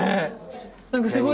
何かすごい。